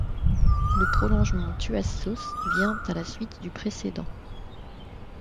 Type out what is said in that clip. Le prolongement Tuas South vient à la suite du précédent.